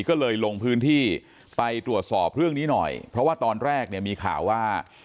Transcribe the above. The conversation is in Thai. ก็เลยลงพื้นที่ไปตรวจสอบเรื่องนี้หน่อยเพราะว่าตอนแรกเนี่ยมีข่าวว่า